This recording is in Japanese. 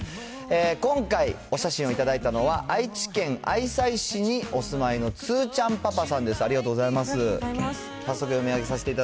今回、お写真を頂いたのは、愛知県愛西市にお住まいのつーちゃんパパさんです。